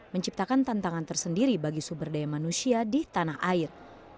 menciptakan tantangan tersendiri bagi sumber daya manusia di tanah air